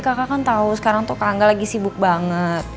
kakak kan tahu sekarang tuh kak angga lagi sibuk banget